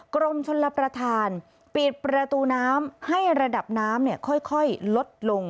กรมชนรับประทานปิดประตูน้ำให้ระดับน้ำค่อยลดลง